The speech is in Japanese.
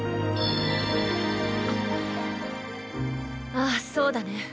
ああそうだね。